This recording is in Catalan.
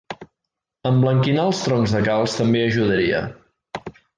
Emblanquinar els troncs de calc també ajudaria.